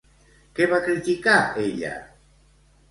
Què va criticar ella?